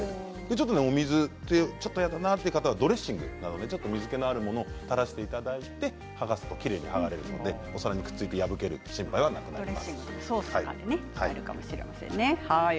ちょっとお水嫌だなという方はドレッシングなど水けのあるものを垂らしていただいて剥がすときれいに剥がれるのでお皿にくっついて破ける心配はなくなります。